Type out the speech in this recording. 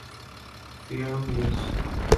فیروئیز